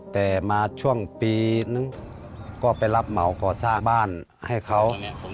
แต่มาช่วงปีนึงก็ไปรับเหมาก่อสร้างบ้านให้เขา